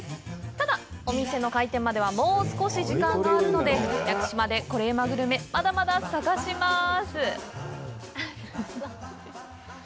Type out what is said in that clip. ただ、お店の開店まではもう少し時間があるので屋久島でコレうまグルメまだまだ探します！